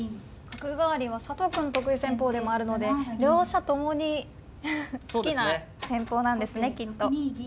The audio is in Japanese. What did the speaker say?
角換わりは佐藤くんの得意戦法でもあるので両者ともに好きな戦法なんですねきっと。